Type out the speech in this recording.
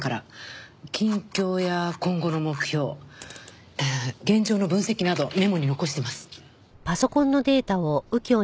近況や今後の目標現状の分析などメモに残しています。